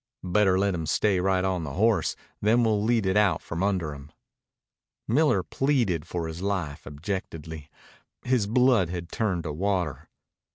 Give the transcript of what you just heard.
"Better let him stay right on the horse, then we'll lead it out from under him." Miller pleaded for his life abjectly. His blood had turned to water.